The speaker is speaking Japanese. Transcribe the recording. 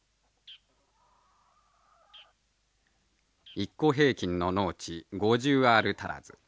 一戸平均の農地５０アール足らず。